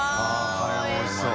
カレーもおいしそう。